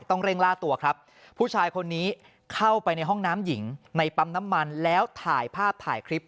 ต้องเร่งล่าตัวครับผู้ชายคนนี้เข้าไปในห้องน้ำหญิงในปั๊มน้ำมันแล้วถ่ายภาพถ่ายคลิป